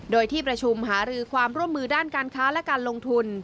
โดยที่ประชุมหารือความร่วมมือด้านการค้าและการลงทุน